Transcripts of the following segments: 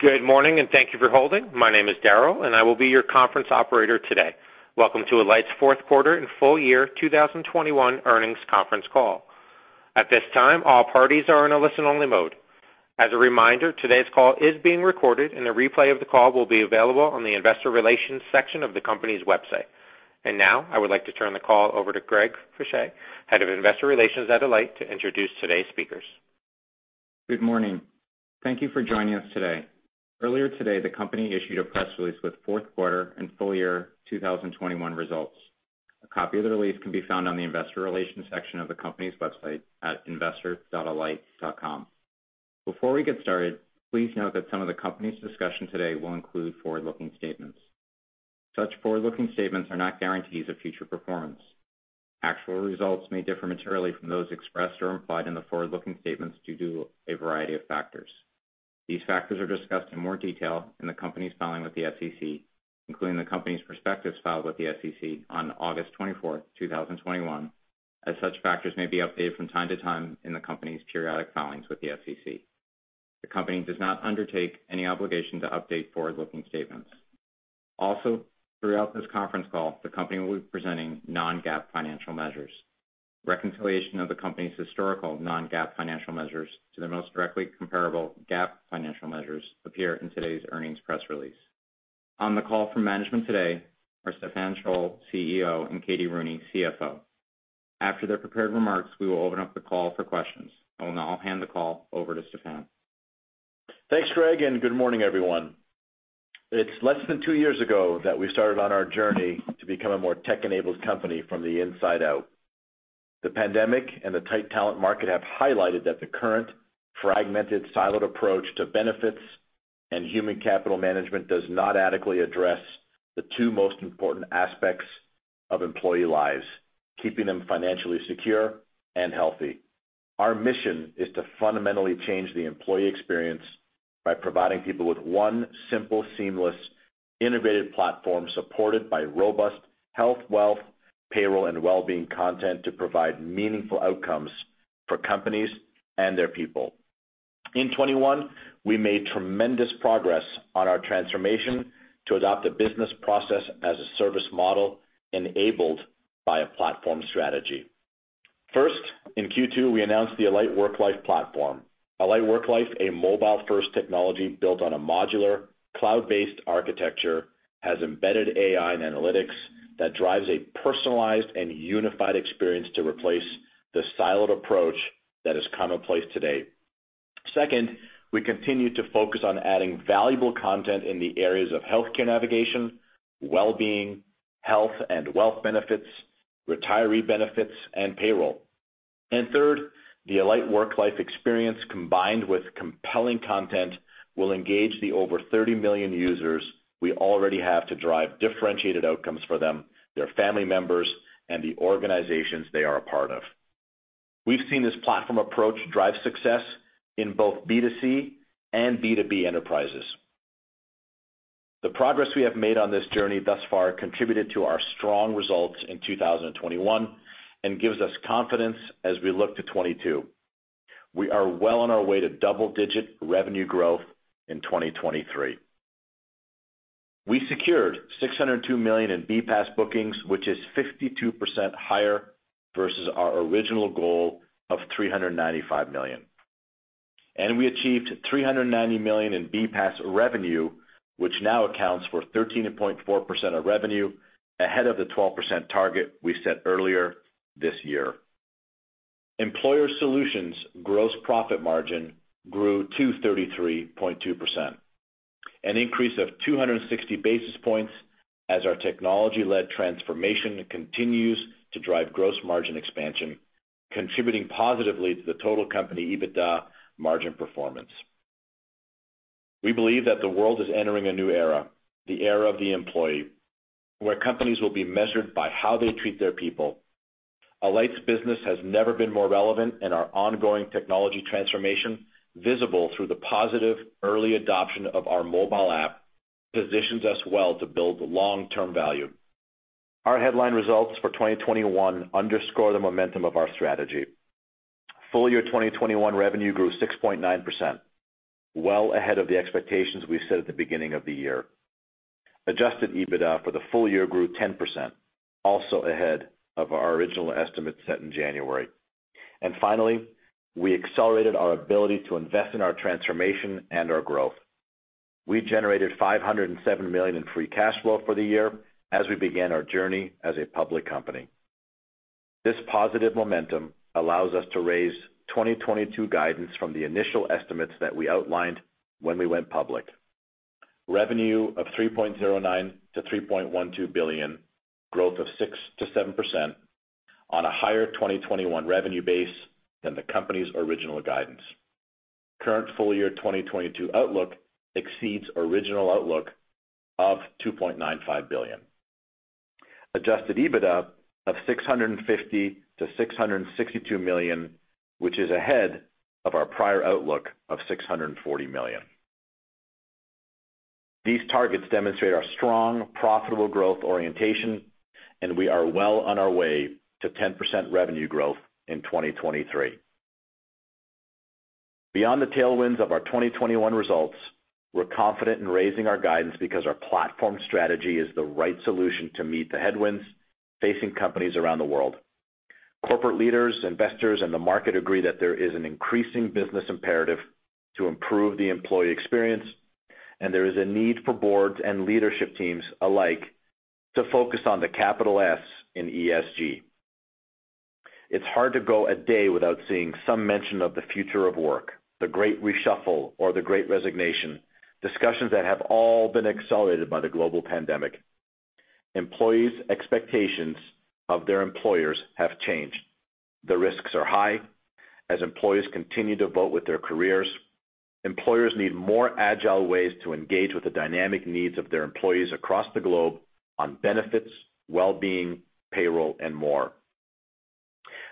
Good morning, and thank you for holding. My name is Daryl, and I will be your conference operator today. Welcome to Alight's fourth quarter and full year 2021 earnings conference call. At this time, all parties are in a listen-only mode. As a reminder, today's call is being recorded, and a replay of the call will be available on the investor relations section of the company's website. Now, I would like to turn the call over to Greg Faje, Head of Investor Relations at Alight to introduce today's speakers. Good morning. Thank you for joining us today. Earlier today, the company issued a press release with fourth quarter and full year 2021 results. A copy of the release can be found on the investor relations section of the company's website at investor.alight.com. Before we get started, please note that some of the company's discussion today will include forward-looking statements. Such forward-looking statements are not guarantees of future performance. Actual results may differ materially from those expressed or implied in the forward-looking statements due to a variety of factors. These factors are discussed in more detail in the company's filing with the SEC, including the company's perspectives filed with the SEC on August 24, 2021, as such factors may be updated from time to time in the company's periodic filings with the SEC. The company does not undertake any obligation to update forward-looking statements. Also, throughout this conference call, the company will be presenting non-GAAP financial measures. Reconciliation of the company's historical non-GAAP financial measures to the most directly comparable GAAP financial measures appear in today's earnings press release. On the call from management today are Stephan Scholl, CEO, and Katie Rooney, CFO. After their prepared remarks, we will open up the call for questions. I will now hand the call over to Stephan. Thanks, Greg, and good morning, everyone. It's less than two years ago that we started on our journey to become a more tech-enabled company from the inside out. The pandemic and the tight talent market have highlighted that the current fragmented, siloed approach to benefits and human capital management does not adequately address the two most important aspects of employee lives, keeping them financially secure and healthy. Our mission is to fundamentally change the employee experience by providing people with one simple, seamless, innovative platform supported by robust health, wealth, payroll, and wellbeing content to provide meaningful outcomes for companies and their people. In 2021, we made tremendous progress on our transformation to adopt a business process as a service model enabled by a platform strategy. First, in Q2, we announced the Alight Worklife platform. Alight Worklife, a mobile-first technology built on a modular cloud-based architecture, has embedded AI and analytics that drives a personalized and unified experience to replace the siloed approach that is commonplace today. Second, we continue to focus on adding valuable content in the areas of healthcare navigation, wellbeing, health and wealth benefits, retiree benefits, and payroll. Third, the Alight Worklife experience combined with compelling content will engage the over 30 million users we already have to drive differentiated outcomes for them, their family members, and the organizations they are a part of. We've seen this platform approach drive success in both B2C and B2B enterprises. The progress we have made on this journey thus far contributed to our strong results in 2021 and gives us confidence as we look to 2022. We are well on our way to double-digit revenue growth in 2023. We secured $602 million in BPaaS bookings, which is 52% higher versus our original goal of $395 million. We achieved $390 million in BPaaS revenue, which now accounts for 13.4% of revenue ahead of the 12% target we set earlier this year. Employer Solutions gross profit margin grew to 33.2%, an increase of 260 basis points as our technology-led transformation continues to drive gross margin expansion, contributing positively to the total company EBITDA margin performance. We believe that the world is entering a new era, the era of the employee, where companies will be measured by how they treat their people. Alight's business has never been more relevant, and our ongoing technology transformation, visible through the positive early adoption of our mobile app, positions us well to build long-term value. Our headline results for 2021 underscore the momentum of our strategy. Full year 2021 revenue grew 6.9%, well ahead of the expectations we set at the beginning of the year. Adjusted EBITDA for the full year grew 10%, also ahead of our original estimates set in January. Finally, we accelerated our ability to invest in our transformation and our growth. We generated $507 million in free cash flow for the year as we began our journey as a public company. This positive momentum allows us to raise 2022 guidance from the initial estimates that we outlined when we went public. Revenue of $3.09 billion-$3.12 billion, growth of 6%-7% on a higher 2021 revenue base than the company's original guidance. Current full year 2022 outlook exceeds original outlook of $2.95 billion. Adjusted EBITDA of $650 million-$662 million, which is ahead of our prior outlook of $640 million. These targets demonstrate our strong profitable growth orientation, and we are well on our way to 10% revenue growth in 2023. Beyond the tailwinds of our 2021 results, we're confident in raising our guidance because our platform strategy is the right solution to meet the headwinds facing companies around the world. Corporate leaders, investors, and the market agree that there is an increasing business imperative to improve the employee experience, and there is a need for boards and leadership teams alike to focus on the capital S in ESG. It's hard to go a day without seeing some mention of the future of work, the Great Reshuffle or the Great Resignation, discussions that have all been accelerated by the global pandemic. Employees' expectations of their employers have changed. The risks are high as employees continue to vote with their careers. Employers need more agile ways to engage with the dynamic needs of their employees across the globe on benefits, well-being, payroll, and more.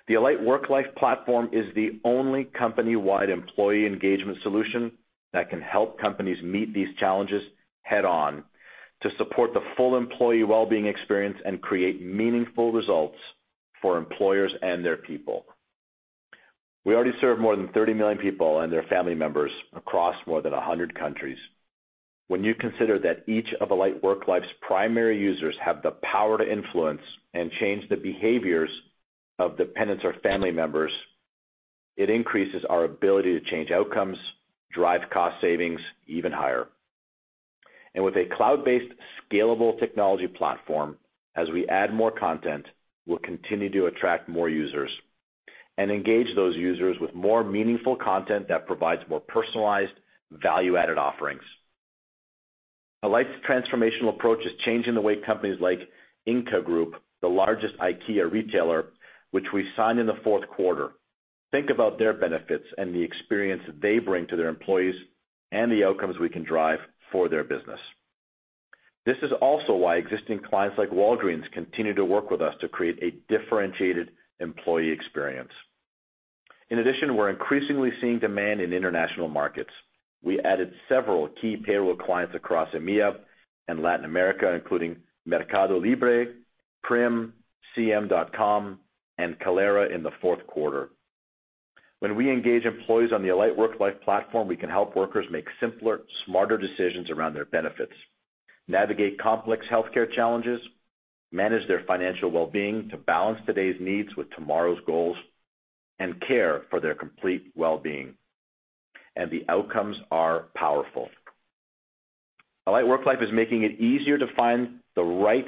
The Alight Worklife platform is the only company-wide employee engagement solution that can help companies meet these challenges head-on to support the full employee well-being experience and create meaningful results for employers and their people. We already serve more than 30 million people and their family members across more than 100 countries. When you consider that each of Alight Worklife's primary users have the power to influence and change the behaviors of dependents or family members, it increases our ability to change outcomes, drive cost savings even higher. With a cloud-based scalable technology platform, as we add more content, we'll continue to attract more users and engage those users with more meaningful content that provides more personalized value-added offerings. Alight's transformational approach is changing the way companies like Ingka Group, the largest IKEA retailer, which we signed in the fourth quarter, think about their benefits and the experience they bring to their employees and the outcomes we can drive for their business. This is also why existing clients like Walgreens continue to work with us to create a differentiated employee experience. In addition, we're increasingly seeing demand in international markets. We added several key payroll clients across EMEA and Latin America, including MercadoLibre, Prim, CM.com, and Kalera in the fourth quarter. When we engage employees on the Alight Worklife platform, we can help workers make simpler, smarter decisions around their benefits, navigate complex healthcare challenges, manage their financial well-being to balance today's needs with tomorrow's goals, and care for their complete well-being. The outcomes are powerful. Alight Worklife is making it easier to find the right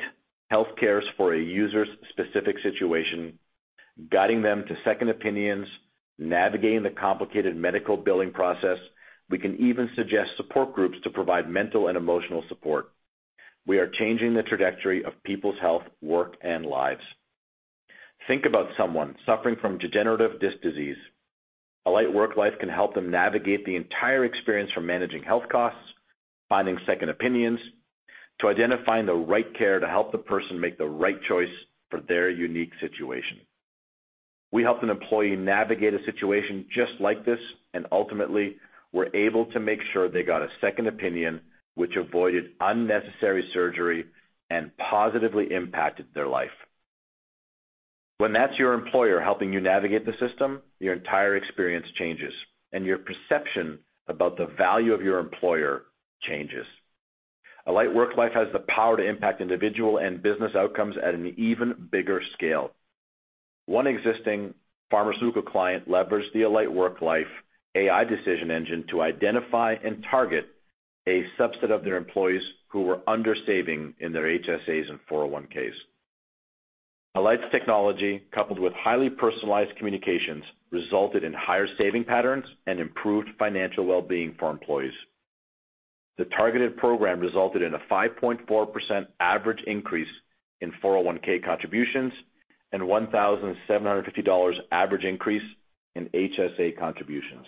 healthcare for a user's specific situation, guiding them to second opinions, navigating the complicated medical billing process. We can even suggest support groups to provide mental and emotional support. We are changing the trajectory of people's health, work, and lives. Think about someone suffering from degenerative disc disease. Alight Worklife can help them navigate the entire experience from managing health costs, finding second opinions, to identifying the right care to help the person make the right choice for their unique situation. We helped an employee navigate a situation just like this, and ultimately, we're able to make sure they got a second opinion, which avoided unnecessary surgery and positively impacted their life. When that's your employer helping you navigate the system, your entire experience changes, and your perception about the value of your employer changes. Alight Worklife has the power to impact individual and business outcomes at an even bigger scale. One existing pharmaceutical client leveraged the Alight Worklife AI decision engine to identify and target a subset of their employees who were undersaving in their HSAs and 401(k)s. Alight's technology, coupled with highly personalized communications, resulted in higher saving patterns and improved financial well-being for employees. The targeted program resulted in a 5.4% average increase in 401(k) contributions and $1,750 average increase in HSA contributions.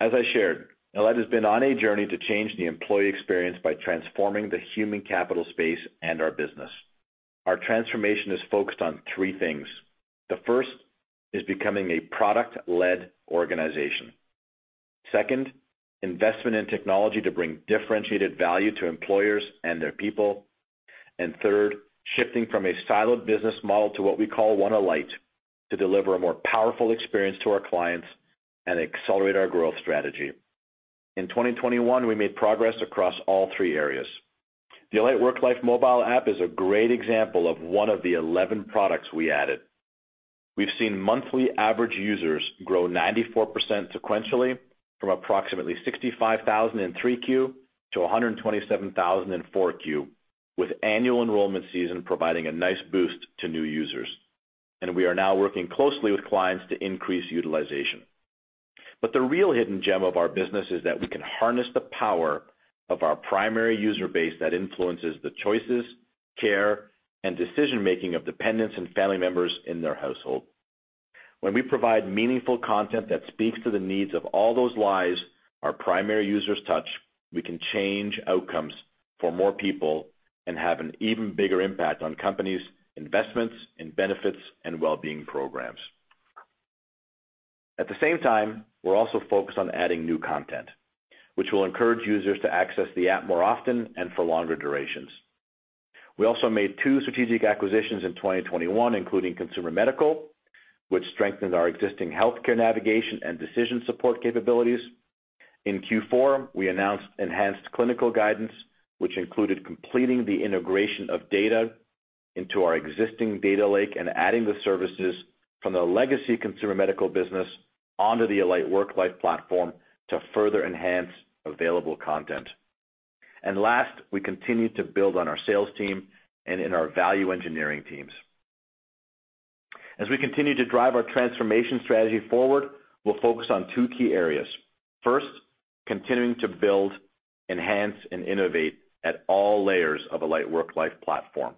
As I shared, Alight has been on a journey to change the employee experience by transforming the human capital space and our business. Our transformation is focused on three things. The first is becoming a product-led organization. Second, investment in technology to bring differentiated value to employers and their people. And third, shifting from a siloed business model to what we call One Alight to deliver a more powerful experience to our clients and accelerate our growth strategy. In 2021, we made progress across all three areas. The Alight Worklife mobile app is a great example of one of the 11 products we added. We've seen monthly average users grow 94% sequentially from approximately 65,000 in 3Q to 127,000 in 4Q, with annual enrollment season providing a nice boost to new users. We are now working closely with clients to increase utilization. The real hidden gem of our business is that we can harness the power of our primary user base that influences the choices, care, and decision-making of dependents and family members in their household. When we provide meaningful content that speaks to the needs of all those lives our primary users touch, we can change outcomes for more people and have an even bigger impact on companies' investments in benefits and well-being programs. At the same time, we're also focused on adding new content, which will encourage users to access the app more often and for longer durations. We also made two strategic acquisitions in 2021, including ConsumerMedical, which strengthened our existing healthcare navigation and decision support capabilities. In Q4, we announced enhanced clinical guidance, which included completing the integration of data into our existing data lake and adding the services from the legacy ConsumerMedical business onto the Alight Worklife platform to further enhance available content. Last, we continued to build on our sales team and in our value engineering teams. As we continue to drive our transformation strategy forward, we'll focus on two key areas. First, continuing to build, enhance, and innovate at all layers of Alight Worklife platform.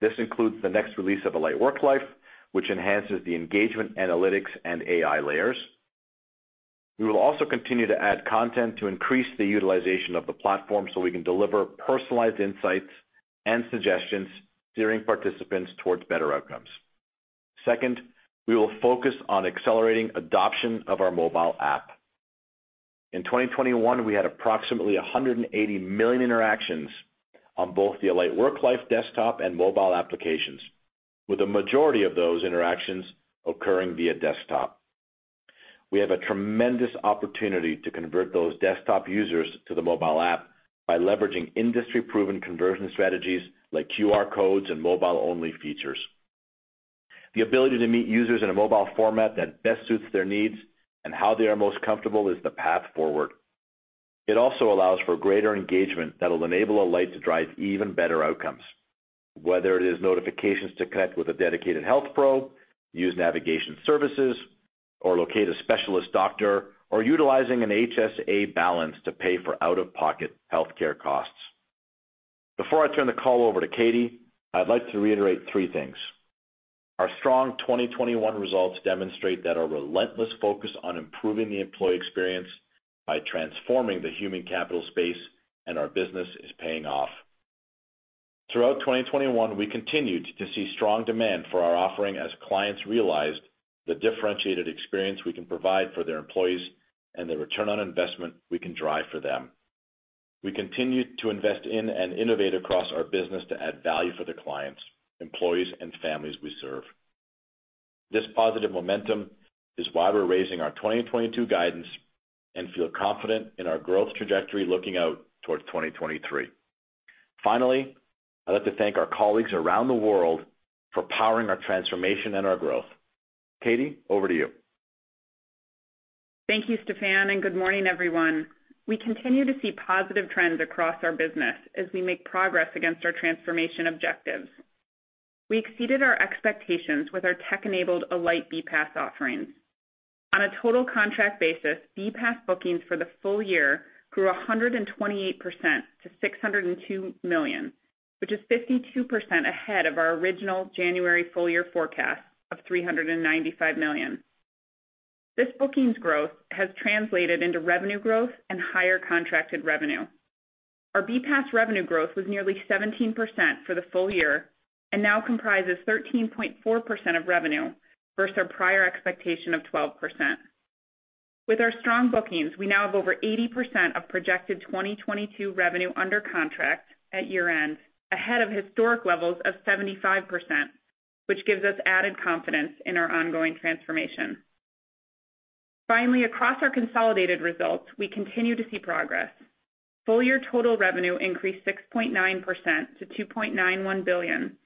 This includes the next release of Alight Worklife, which enhances the engagement analytics and AI layers. We will also continue to add content to increase the utilization of the platform so we can deliver personalized insights and suggestions, steering participants towards better outcomes. Second, we will focus on accelerating adoption of our mobile app. In 2021, we had approximately 180 million interactions on both the Alight Worklife desktop and mobile applications, with the majority of those interactions occurring via desktop. We have a tremendous opportunity to convert those desktop users to the mobile app by leveraging industry-proven conversion strategies like QR codes and mobile-only features. The ability to meet users in a mobile format that best suits their needs and how they are most comfortable is the path forward. It also allows for greater engagement that'll enable Alight to drive even better outcomes, whether it is notifications to connect with a dedicated health pro, use navigation services, or locate a specialist doctor, or utilizing an HSA balance to pay for out-of-pocket healthcare costs. Before I turn the call over to Katie, I'd like to reiterate three things. Our strong 2021 results demonstrate that our relentless focus on improving the employee experience by transforming the human capital space and our business is paying off. Throughout 2021, we continued to see strong demand for our offering as clients realized the differentiated experience we can provide for their employees and the return on investment we can drive for them. We continued to invest in and innovate across our business to add value for the clients, employees, and families we serve. This positive momentum is why we're raising our 2022 guidance and feel confident in our growth trajectory looking out towards 2023. Finally, I'd like to thank our colleagues around the world for powering our transformation and our growth. Katie, over to you. Thank you, Stephan, and good morning, everyone. We continue to see positive trends across our business as we make progress against our transformation objectives. We exceeded our expectations with our tech-enabled Alight BPaaS offerings. On a total contract basis, BPaaS bookings for the full year grew 128% to $602 million, which is 52% ahead of our original January full year forecast of $395 million. This bookings growth has translated into revenue growth and higher contracted revenue. Our BPaaS revenue growth was nearly 17% for the full year, and now comprises 13.4% of revenue versus our prior expectation of 12%. With our strong bookings, we now have over 80% of projected 2022 revenue under contract at year-end, ahead of historic levels of 75%, which gives us added confidence in our ongoing transformation. Finally, across our consolidated results, we continue to see progress. Full-year total revenue increased 6.9% to $2.91 billion,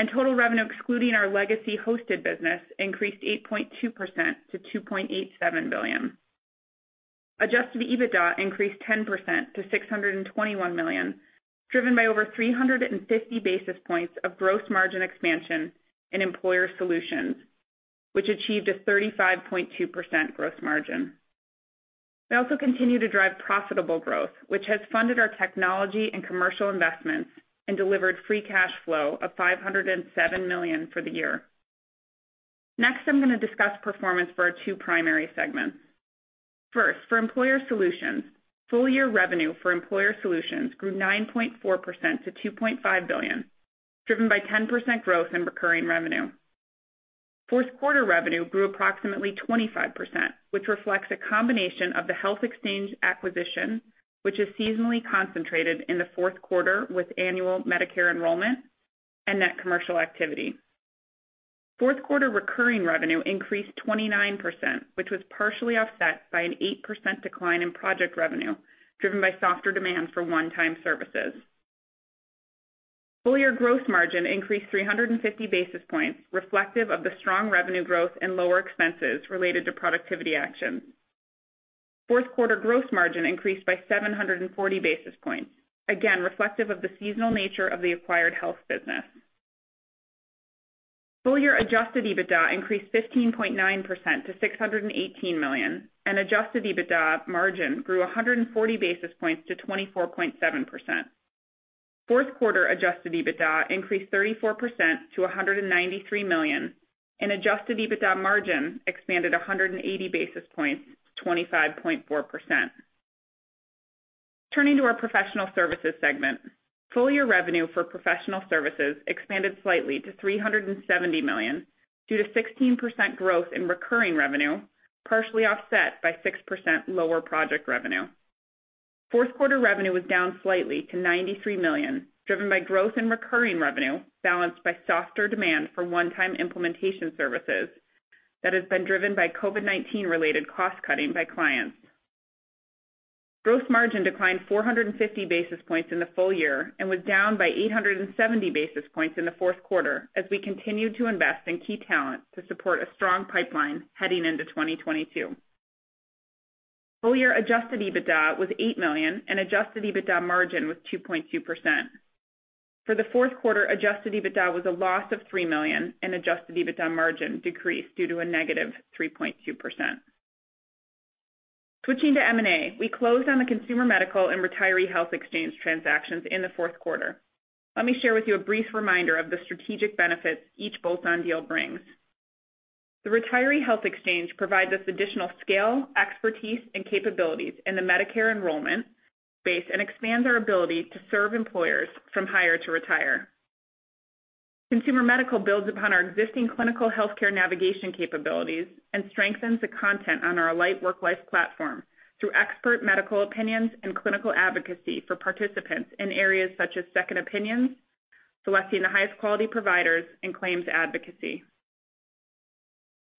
and total revenue excluding our legacy hosted business increased 8.2% to $2.87 billion. Adjusted EBITDA increased 10% to $621 million, driven by over 350 basis points of gross margin expansion in Employer Solutions, which achieved a 35.2% gross margin. We also continue to drive profitable growth, which has funded our technology and commercial investments and delivered free cash flow of $507 million for the year. Next, I'm going to discuss performance for our two primary segments. First, for Employer Solutions. Full-year revenue for Employer Solutions grew 9.4% to $2.5 billion, driven by 10% growth in recurring revenue. Fourth quarter revenue grew approximately 25%, which reflects a combination of the Health Exchange acquisition, which is seasonally concentrated in the fourth quarter with annual Medicare enrollment and net commercial activity. Fourth quarter recurring revenue increased 29%, which was partially offset by an 8% decline in project revenue, driven by softer demand for one-time services. Full year gross margin increased 350 basis points, reflective of the strong revenue growth and lower expenses related to productivity actions. Fourth quarter gross margin increased by 740 basis points, again reflective of the seasonal nature of the acquired health business. Full year adjusted EBITDA increased 15.9% to $618 million, and adjusted EBITDA margin grew 140 basis points to 24.7%. Fourth quarter Adjusted EBITDA increased 34% to $193 million, and Adjusted EBITDA margin expanded 180 basis points to 25.4%. Turning to our Professional Services segment. Full year revenue for Professional Services expanded slightly to $370 million, due to 16% growth in recurring revenue, partially offset by 6% lower project revenue. Fourth quarter revenue was down slightly to $93 million, driven by growth in recurring revenue, balanced by softer demand for one-time implementation services that has been driven by COVID-19 related cost cutting by clients. Gross margin declined 450 basis points in the full year and was down by 870 basis points in the fourth quarter as we continued to invest in key talent to support a strong pipeline heading into 2022. Full year adjusted EBITDA was $8 million and adjusted EBITDA margin was 2.2%. For the fourth quarter, adjusted EBITDA was a loss of $3 million and adjusted EBITDA margin decreased due to a -3.2%. Switching to M&A, we closed on the ConsumerMedical and Retiree Health Exchange transactions in the fourth quarter. Let me share with you a brief reminder of the strategic benefits each bolt-on deal brings. The Retiree Health Exchange provides us additional scale, expertise and capabilities in the Medicare enrollment space and expands our ability to serve employers from hire to retire. ConsumerMedical builds upon our existing clinical healthcare navigation capabilities and strengthens the content on our Alight Worklife platform through expert medical opinions and clinical advocacy for participants in areas such as second opinions, selecting the highest quality providers and claims advocacy.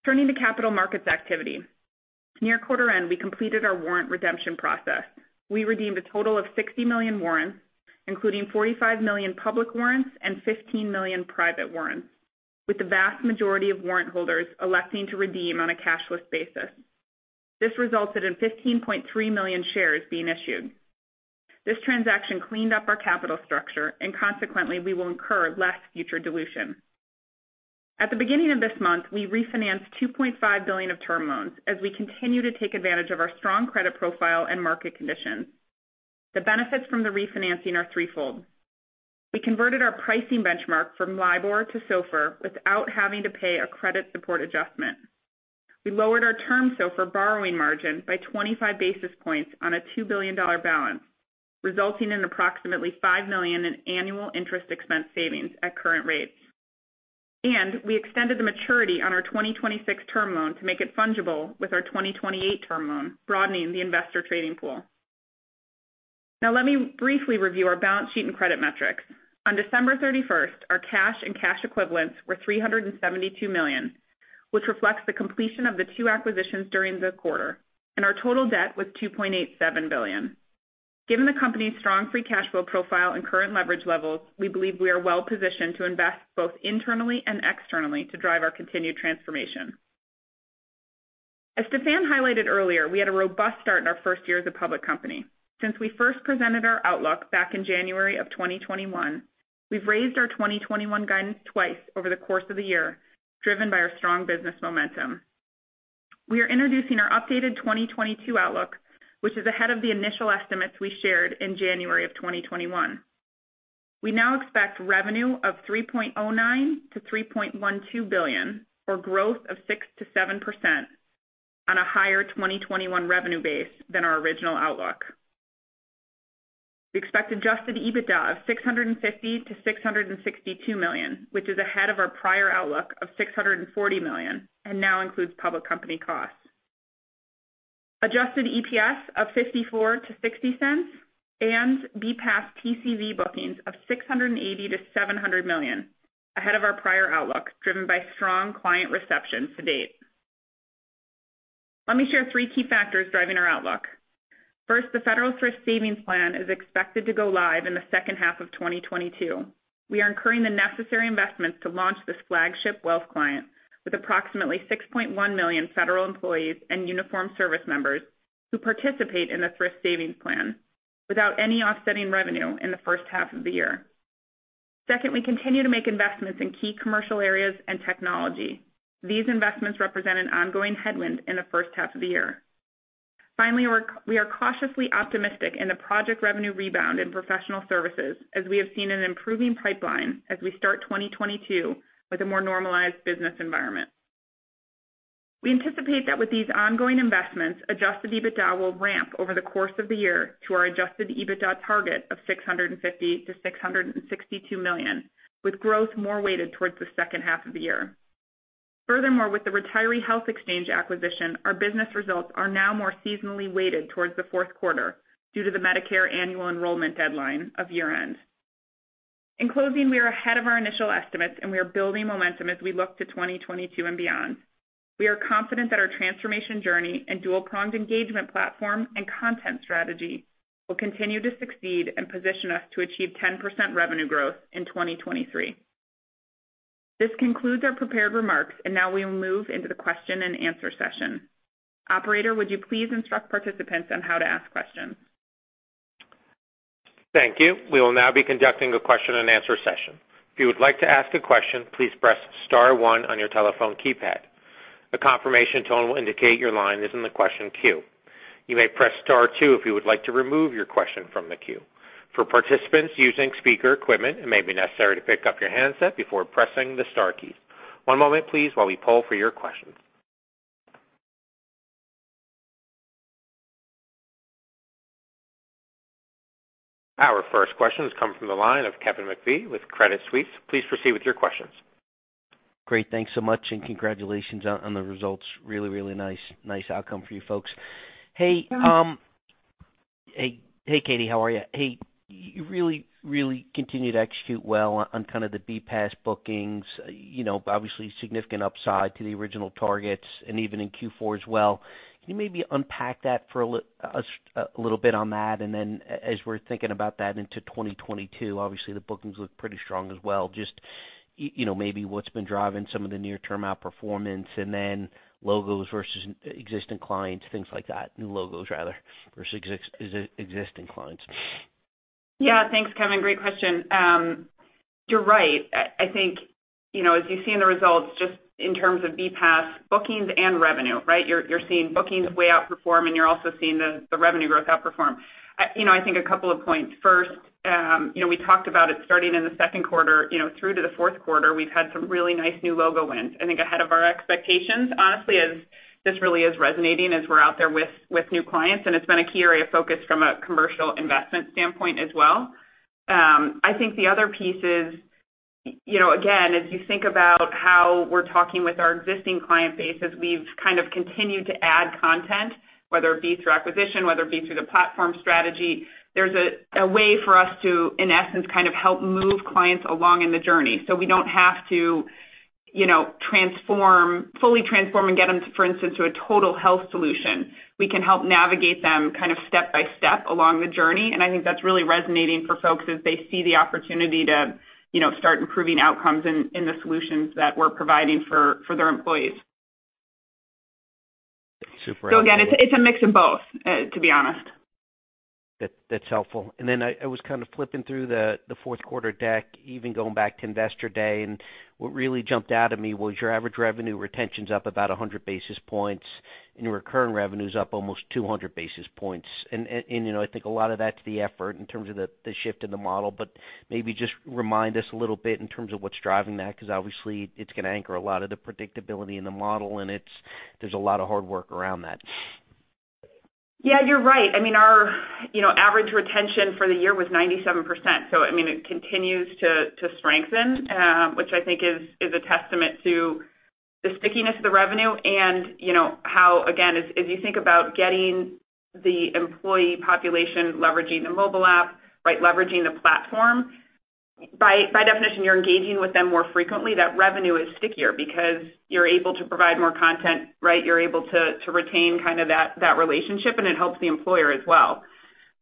Turning to capital markets activity. Near quarter end, we completed our warrant redemption process. We redeemed a total of 60 million warrants, including 45 million public warrants and 15 million private warrants, with the vast majority of warrant holders electing to redeem on a cashless basis. This resulted in 15.3 million shares being issued. This transaction cleaned up our capital structure and consequently we will incur less future dilution. At the beginning of this month, we refinanced $2.5 billion of term loans as we continue to take advantage of our strong credit profile and market conditions. The benefits from the refinancing are threefold. We converted our pricing benchmark from LIBOR to SOFR without having to pay a credit support adjustment. We lowered our term SOFR borrowing margin by 25 basis points on a $2 billion balance, resulting in approximately $5 million in annual interest expense savings at current rates. We extended the maturity on our 2026 term loan to make it fungible with our 2028 term loan, broadening the investor trading pool. Now let me briefly review our balance sheet and credit metrics. On December 31st, our cash and cash equivalents were $372 million, which reflects the completion of the two acquisitions during the quarter, and our total debt was $2.87 billion. Given the company's strong free cash flow profile and current leverage levels, we believe we are well-positioned to invest both internally and externally to drive our continued transformation. As Stephan highlighted earlier, we had a robust start in our first year as a public company. Since we first presented our outlook back in January 2021, we've raised our 2021 guidance twice over the course of the year, driven by our strong business momentum. We are introducing our updated 2022 outlook, which is ahead of the initial estimates we shared in January 2021. We now expect revenue of $3.09 billion-$3.12 billion or growth of 6%-7% on a higher 2021 revenue base than our original outlook. We expect Adjusted EBITDA of $650 million-$662 million, which is ahead of our prior outlook of $640 million and now includes public company costs. Adjusted EPS of $0.54-$0.60 and BPaaS TCV bookings of $680 million-$700 million ahead of our prior outlook, driven by strong client reception to date. Let me share three key factors driving our outlook. First, the Federal Thrift Savings Plan is expected to go live in the second half of 2022. We are incurring the necessary investments to launch this flagship wealth client with approximately 6.1 million federal employees and uniformed service members who participate in the Thrift Savings Plan without any offsetting revenue in the first half of the year. Second, we continue to make investments in key commercial areas and technology. These investments represent an ongoing headwind in the first half of the year. Finally, we are cautiously optimistic in the projected revenue rebound in Professional Services as we have seen an improving pipeline as we start 2022 with a more normalized business environment. We anticipate that with these ongoing investments, Adjusted EBITDA will ramp over the course of the year to our Adjusted EBITDA target of $650 million-$662 million, with growth more weighted towards the second half of the year. Furthermore, with the Retiree Health Exchange acquisition, our business results are now more seasonally weighted towards the fourth quarter due to the Medicare annual enrollment deadline of year-end. In closing, we are ahead of our initial estimates and we are building momentum as we look to 2022 and beyond. We are confident that our transformation journey and dual pronged engagement platform and content strategy will continue to succeed and position us to achieve 10% revenue growth in 2023. This concludes our prepared remarks and now we will move into the question and answer session. Operator, would you please instruct participants on how to ask questions? Thank you. We will now be conducting a question and answer session. If you would like to ask a question, please press star one on your telephone keypad. A confirmation tone will indicate your line is in the question queue. You may press star two if you would like to remove your question from the queue. For participants using speaker equipment, it may be necessary to pick up your handset before pressing the star keys. One moment please while we poll for your questions. Our first question has come from the line of Kevin McVeigh with Credit Suisse. Please proceed with your questions. Great. Thanks so much, and congratulations on the results. Really nice outcome for you folks. Hey, Katie. How are you? Hey, you really continue to execute well on kind of the BPaaS bookings, you know, obviously significant upside to the original targets and even in Q4 as well. Can you maybe unpack that for a little bit on that? As we're thinking about that into 2022, obviously the bookings look pretty strong as well. Just, you know, maybe what's been driving some of the near term outperformance and then logos versus existing clients, things like that. New logos rather, versus existing clients. Yeah, thanks, Kevin. Great question. You're right. I think, you know, as you've seen the results just in terms of BPaaS bookings and revenue, right? You're seeing bookings way outperform, and you're also seeing the revenue growth outperform. You know, I think a couple of points. First, you know, we talked about it starting in the second quarter, you know, through to the fourth quarter, we've had some really nice new logo wins, I think ahead of our expectations, honestly, as this really is resonating as we're out there with new clients, and it's been a key area of focus from a commercial investment standpoint as well. I think the other piece is, you know, again, as you think about how we're talking with our existing client base, as we've kind of continued to add content, whether it be through acquisition, whether it be through the platform strategy, there's a way for us to, in essence, kind of help move clients along in the journey. We don't have to, you know, transform, fully transform and get them, for instance, to a total health solution. We can help navigate them kind of step-by-step along the journey, and I think that's really resonating for folks as they see the opportunity to, you know, start improving outcomes in the solutions that we're providing for their employees. Super helpful. Again, it's a mix of both, to be honest. That, that's helpful. Then I was kind of flipping through the fourth quarter deck, even going back to Investor Day, and what really jumped out at me was your average revenue retention's up about 100 basis points, and your recurring revenue's up almost 200 basis points. You know, I think a lot of that's the effort in terms of the shift in the model, but maybe just remind us a little bit in terms of what's driving that because obviously it's gonna anchor a lot of the predictability in the model, and there's a lot of hard work around that. Yeah, you're right. I mean, our you know average retention for the year was 97%. I mean, it continues to strengthen, which I think is a testament to the stickiness of the revenue and, you know, how, again, as you think about getting the employee population leveraging the mobile app, right, leveraging the platform, by definition, you're engaging with them more frequently. That revenue is stickier because you're able to provide more content, right? You're able to retain kind of that relationship, and it helps the employer as well.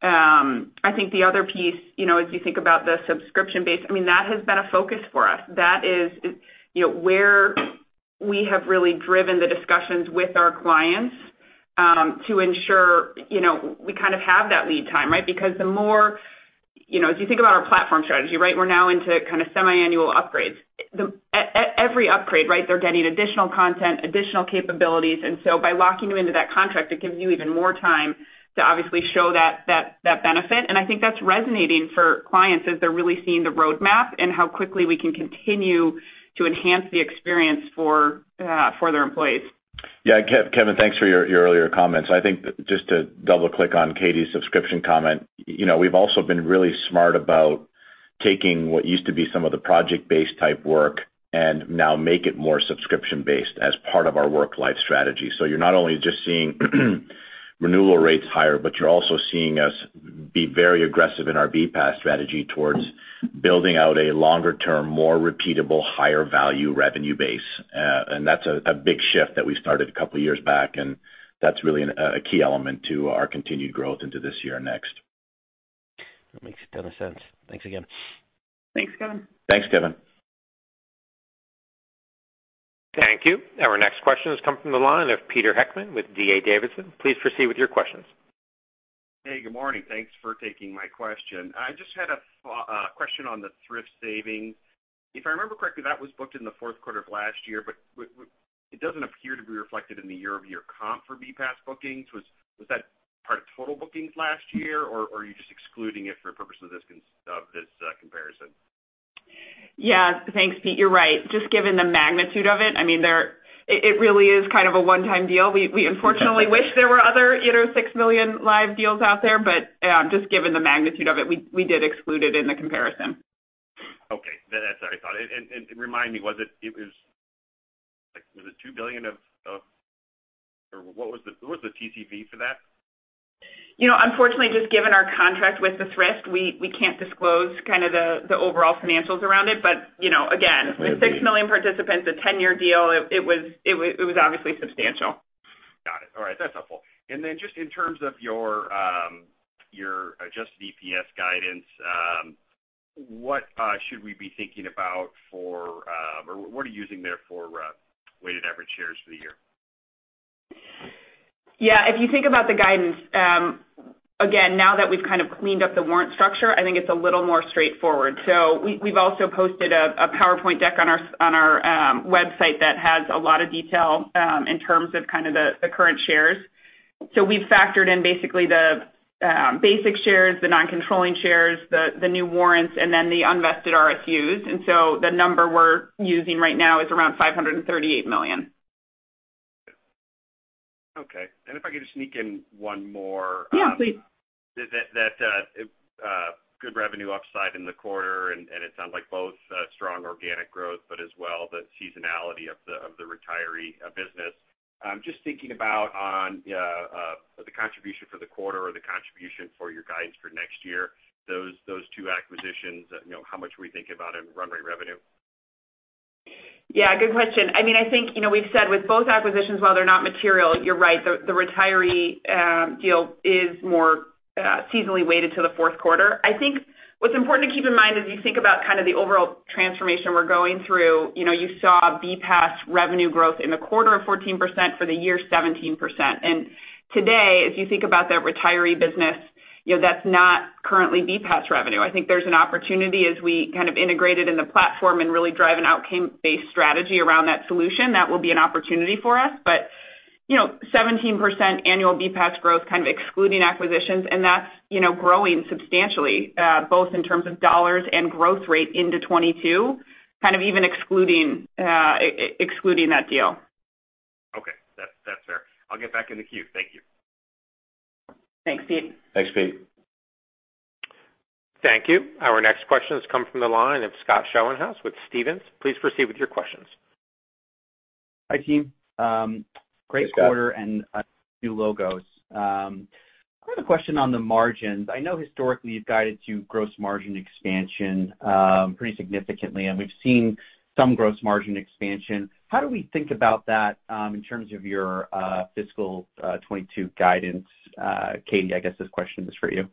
I think the other piece, you know, as you think about the subscription base, I mean, that has been a focus for us. That is, you know, where we have really driven the discussions with our clients, to ensure, you know, we kind of have that lead time, right? Because the more you know as you think about our platform strategy, right, we're now into kind of semi-annual upgrades. At every upgrade, right, they're getting additional content, additional capabilities. By locking you into that contract, it gives you even more time to obviously show that benefit. I think that's resonating for clients as they're really seeing the roadmap and how quickly we can continue to enhance the experience for their employees. Yeah. Kevin, thanks for your earlier comments. I think just to double-click on Katie's subscription comment, you know, we've also been really smart about taking what used to be some of the project-based type work and now make it more subscription-based as part of our Worklife strategy. You're not only just seeing renewal rates higher, but you're also seeing us be very aggressive in our BPaaS strategy towards building out a longer term, more repeatable, higher value revenue base. That's a big shift that we started a couple years back, and that's really a key element to our continued growth into this year and next. That makes a ton of sense. Thanks again. Thanks, Kevin. Thanks, Kevin. Thank you. Our next question has come from the line of Peter Heckmann with D.A. Davidson. Please proceed with your questions. Hey, good morning. Thanks for taking my question. I just had a question on the Thrift Savings Plan. If I remember correctly, that was booked in the fourth quarter of last year, but it doesn't appear to be reflected in the year-over-year comp for BPAS bookings. Was that part of total bookings last year, or are you just excluding it for purpose of this comparison? Yeah. Thanks, Pete. You're right. Just given the magnitude of it, I mean, it really is kind of a one-time deal. We unfortunately wish there were other, you know, 6 million live deals out there, but just given the magnitude of it, we did exclude it in the comparison. Okay. That's what I thought. Remind me, was it like 2 billion of? Or what was the TCV for that? You know, unfortunately, just given our contract with the Thrift, we can't disclose kind of the overall financials around it. You know, again- Definitely. 6 million participants, a 10-year deal, it was obviously substantial. Got it. All right. That's helpful. Just in terms of your adjusted EPS guidance, what should we be thinking about? Or what are you using there for weighted average shares for the year? Yeah, if you think about the guidance, again, now that we've kind of cleaned up the warrant structure, I think it's a little more straightforward. We've also posted a PowerPoint deck on our website that has a lot of detail in terms of the current shares. We've factored in basically the basic shares, the non-controlling shares, the new warrants, and then the unvested RSUs. The number we're using right now is around 538 million. Okay. If I could just sneak in one more. Yeah, please. That good revenue upside in the quarter, and it sounds like both strong organic growth, but as well, the seasonality of the retiree business. Just thinking about the contribution for the quarter or the contribution for your guidance for next year, those two acquisitions, you know, how much are we thinking about in run rate revenue? Yeah, good question. I mean, I think, you know, we've said with both acquisitions, while they're not material, you're right. The retiree deal is more seasonally weighted to the fourth quarter. I think what's important to keep in mind as you think about kind of the overall transformation we're going through, you know, you saw BPaaS revenue growth in the quarter of 14%, for the year, 17%. Today, as you think about that retiree business, you know, that's not currently BPaaS revenue. I think there's an opportunity as we kind of integrate it in the platform and really drive an outcome-based strategy around that solution. That will be an opportunity for us. You know, 17% annual BPaaS growth kind of excluding acquisitions, and that's, you know, growing substantially, both in terms of dollars and growth rate into 2022, kind of even excluding that deal. Okay. That's fair. I'll get back in the queue. Thank you. Thanks, Pete. Thanks, Pete. Thank you. Our next question has come from the line of Scott Schoenhaus with Stephens. Please proceed with your questions. Hi, team. Great quarter and new logos. I have a question on the margins. I know historically you've guided to gross margin expansion, pretty significantly, and we've seen some gross margin expansion. How do we think about that, in terms of your fiscal 2022 guidance? Katie, I guess this question is for you.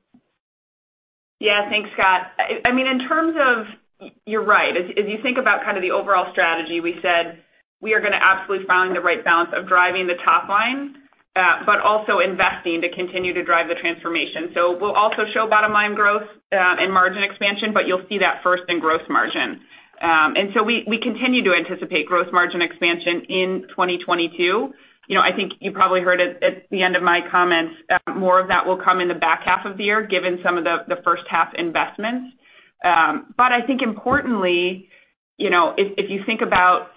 Yeah. Thanks, Scott. I mean in terms of, you're right. As you think about kind of the overall strategy, we said we are gonna absolutely find the right balance of driving the top line, but also investing to continue to drive the transformation. We'll also show bottom line growth and margin expansion, but you'll see that first in gross margin. We continue to anticipate gross margin expansion in 2022. You know, I think you probably heard it at the end of my comments, more of that will come in the back half of the year, given some of the first half investments. I think importantly, you know, if you think about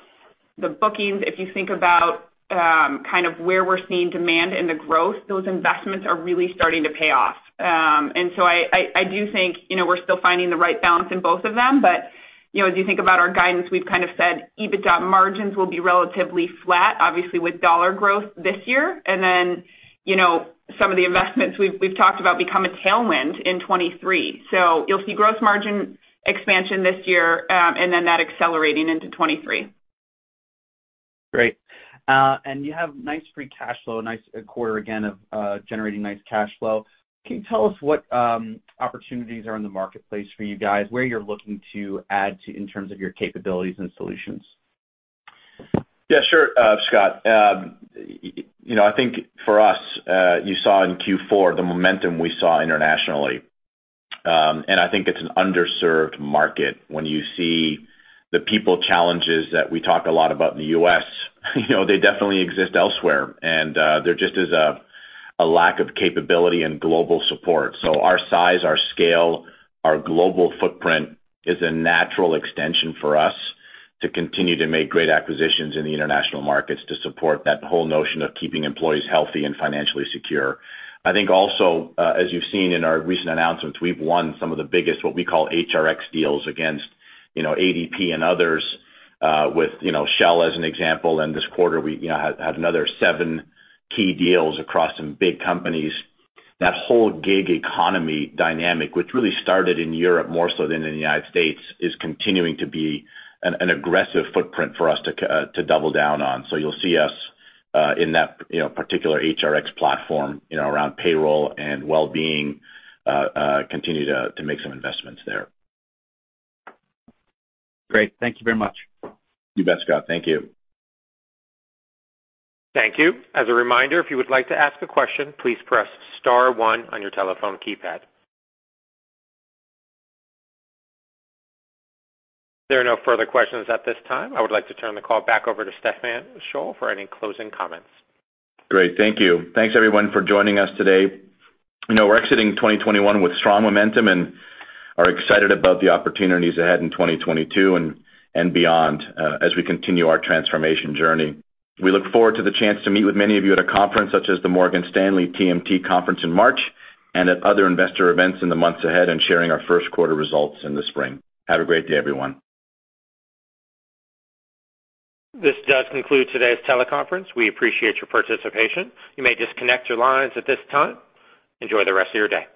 the bookings, if you think about kind of where we're seeing demand and the growth, those investments are really starting to pay off. I do think, you know, we're still finding the right balance in both of them. You know, as you think about our guidance, we've kind of said EBITDA margins will be relatively flat, obviously with dollar growth this year. You know, some of the investments we've talked about become a tailwind in 2023. You'll see gross margin expansion this year, and then that accelerating into 2023. Great. You have nice free cash flow, nice quarter again of generating nice cash flow. Can you tell us what opportunities are in the marketplace for you guys, where you're looking to add to in terms of your capabilities and solutions? Yeah, sure, Scott. You know, I think for us, you saw in Q4 the momentum we saw internationally. I think it's an underserved market when you see the people challenges that we talk a lot about in the U.S., you know, they definitely exist elsewhere. There just is a lack of capability and global support. So our size, our scale, our global footprint is a natural extension for us to continue to make great acquisitions in the international markets to support that whole notion of keeping employees healthy and financially secure. I think also, as you've seen in our recent announcements, we've won some of the biggest, what we call HRX deals against, you know, ADP and others, with, you know, Shell as an example. This quarter we have another seven key deals across some big companies. That whole gig economy dynamic, which really started in Europe more so than in the United States, is continuing to be an aggressive footprint for us to double down on. You'll see us in that particular HRX platform around payroll and well-being continue to make some investments there. Great. Thank you very much. You bet, Scott. Thank you. Thank you. As a reminder, if you would like to ask a question, please press star one on your telephone keypad. There are no further questions at this time. I would like to turn the call back over to Stephan Scholl for any closing comments. Great. Thank you. Thanks everyone for joining us today. You know, we're exiting 2021 with strong momentum and are excited about the opportunities ahead in 2022 and beyond, as we continue our transformation journey. We look forward to the chance to meet with many of you at a conference such as the Morgan Stanley TMT Conference in March, and at other investor events in the months ahead, and sharing our first quarter results in the spring. Have a great day, everyone. This does conclude today's teleconference. We appreciate your participation. You may disconnect your lines at this time. Enjoy the rest of your day.